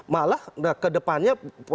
malah ke depannya